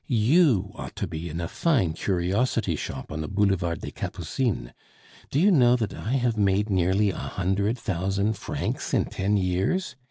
You ought to be in a fine curiosity shop on the Boulevard des Capucines. Do you know that I have made nearly a hundred thousand francs in ten years?